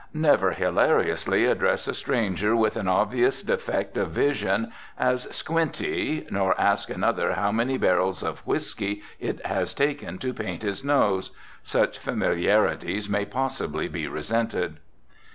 Never hilariously address a stranger with an obvious defect of vision as "Squinty," nor ask another how many barrels of whisky it has taken to paint his nose. Such familiarities may possibly be resented.